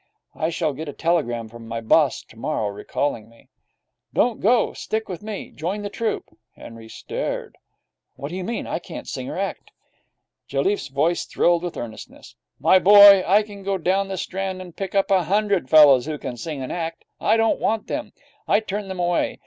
'I shall get a telegram from my boss tomorrow recalling me.' 'Don't go. Stick with me. Join the troupe.' Henry stared. 'What do you mean? I can't sing or act.' Jelliffe's voice thrilled with earnestness. 'My boy, I can go down the Strand and pick up a hundred fellows who can sing and act. I don't want them. I turn them away.